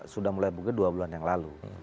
sudah mulai mungkin dua bulan yang lalu